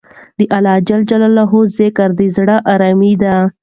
د اللهﷻ ذکر د زړه ارامي ده.